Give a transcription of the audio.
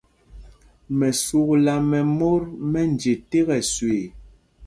Mɛsúkla mɛ mot mɛ nje tēk ɛsüee.